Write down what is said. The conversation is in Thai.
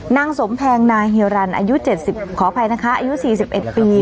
นางสมแพงนาเฮียรันอายุเจ็ดสิบขออภัยนะคะอายุสี่สิบเอ็ดปี